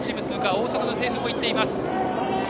大阪の清風も行っています。